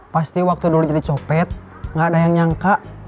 pasti waktu dulu jadi copet gak ada yang nyangka